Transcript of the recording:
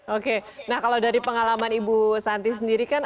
oke nah kalau dari pengalaman ibu santi sendiri kan